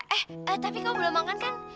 eh tapi kamu belum makan kan